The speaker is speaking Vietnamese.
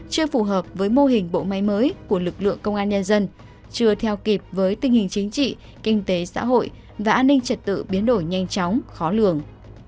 chưa phù hợp với mô hình bộ máy mới của lực lượng công an nhân dân chưa theo kịp với tình hình chính trị kinh tế xã hội và an ninh trật tự biến đổi nhanh chóng khó lường